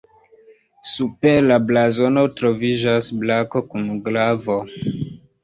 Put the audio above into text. Super la blazono troviĝas brako kun glavo.